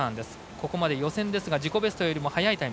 ここまで予選ですが自己ベストよりも速いタイム。